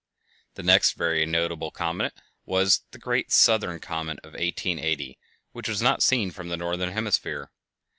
The next very notable comet was the "Great Southern Comet" of 1880, which was not seen from the northern hemisphere.